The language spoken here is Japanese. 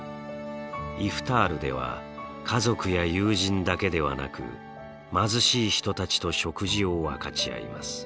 イフタールでは家族や友人だけではなく貧しい人たちと食事を分かち合います。